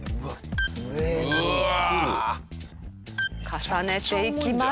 重ねていきます。